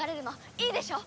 いいでしょ？